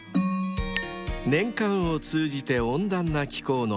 ［年間を通じて温暖な気候の］